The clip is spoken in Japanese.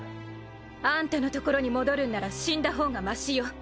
あんたのところに戻るんなら死んだ方がましよ。